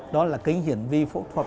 đó là kinh hiển vi phẫu thuật